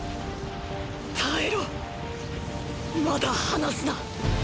耐えろまだ離すな。